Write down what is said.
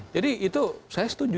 jadi itu saya setuju